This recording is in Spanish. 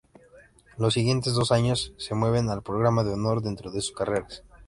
Los siguientes dos años se mueven al programa de honor dentro de sus carreras.